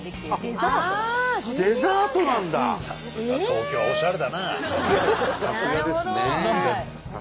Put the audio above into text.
さすがですね。